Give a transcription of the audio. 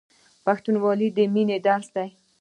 پښتونولي د مینې درس دی.